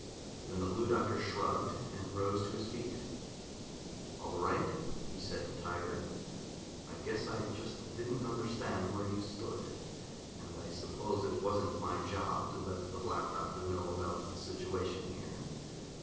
Then the Blue Doctor shrugged and rose to his feet. "All right," he said to Tiger. "I guess I just didn't understand where you stood, and I suppose it wasn't my job to let the Black Doctor know about the situation here.